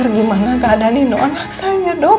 bagaimana keadaan nino anak saya doku